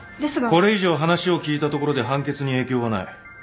これ以上話を聞いたところで判決に影響はない。